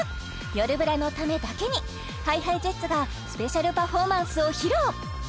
「よるブラ」のためだけにＨｉＨｉＪｅｔｓがスペシャルパフォーマンスを披露！